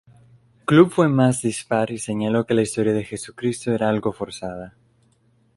Club fue más dispar y señaló que la historia de Jesucristo era "algo forzada".